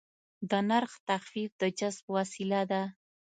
د نرخ تخفیف د جذب وسیله ده.